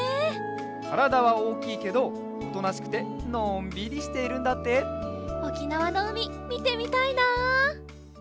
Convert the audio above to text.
からだはおおきいけどおとなしくてのんびりしているんだっておきなわのうみみてみたいな！